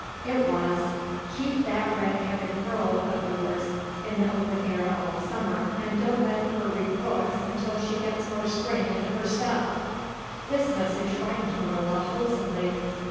It was: "Keep that redheaded girl of yours in the open air all summer and don't let her read books until she gets more spring into her step." This message frightened Marilla wholesomely.